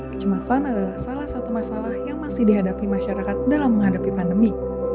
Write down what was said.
kecemasan adalah salah satu masalah yang masih dihadapi masyarakat dalam menghadapi pandemi